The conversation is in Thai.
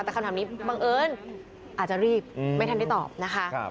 แต่คำถามนี้บังเอิญอาจจะรีบไม่ทันได้ตอบนะคะ